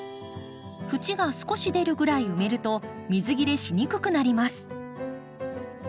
縁が少し出るぐらい埋めると水切れしにくくなります。